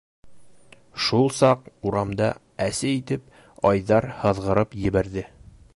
Шул саҡ урамда әсе итеп Айҙар һыҙғырып ебәрҙе.